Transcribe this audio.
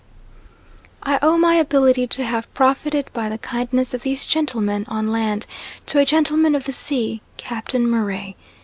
I owe my ability to have profited by the kindness of these gentlemen on land, to a gentleman of the sea Captain Murray.